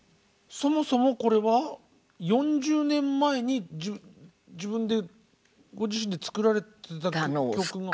そもそもこれは４０年前にご自身で作られてた曲が。